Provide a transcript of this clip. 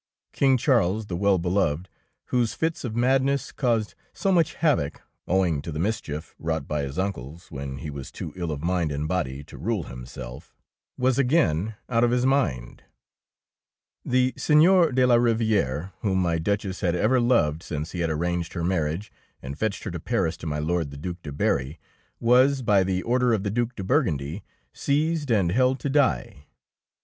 King Charles the Well beloved, whose fits of madness caused so much havoc (owing to the mischief wrought by his uncles when he was too ill of mind and body to rule himself) was again out of his mind. 43 DEEDS OF DAEING The Seigneur de la Riviere, whom my Duchess had ever loved since he had arranged her marriage and fetched her to Paris to my Lord the Due de Berry, was, by the order of the Due de Bur gundy, seized and held to die.